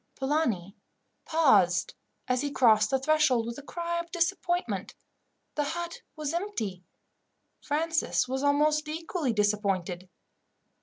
Polani paused as he crossed the threshold, with a cry of disappointment the hut was empty. Francis was almost equally disappointed.